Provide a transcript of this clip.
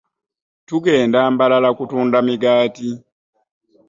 Tugenda Mbarara kutunda migaati.